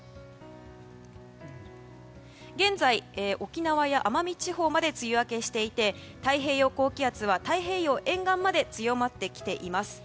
現在、沖縄や奄美地方まで梅雨明けしていて太平洋高気圧は太平洋沿岸まで強まってきています。